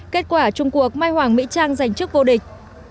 kết quả trung cuộc mai hoàng mỹ trang giành chức vô địch